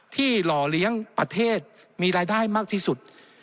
หล่อเลี้ยงประเทศมีรายได้มากที่สุด